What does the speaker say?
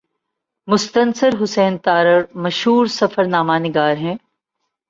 مستنصر حسین تارڑ مشہور سفرنامہ نگار ہیں